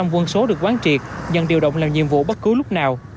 một trăm linh quân số được quán triệt nhận điều động làm nhiệm vụ bất cứ lúc nào